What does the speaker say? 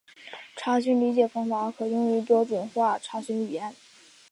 查询理解方法可用于标准化查询语言。